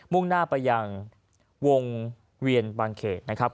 ่งหน้าไปยังวงเวียนบางเขตนะครับ